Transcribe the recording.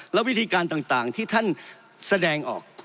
แล้ววิธีการต่างที่ท่านแสดงออก